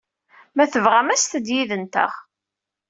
Ma tebɣam, aset-d yid-nteɣ.